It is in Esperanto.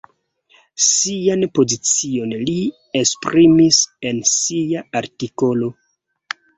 Sian pozicion li esprimis en sia artikolo.